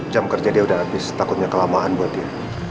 jam kerja dia udah habis takutnya kelamaan buat dia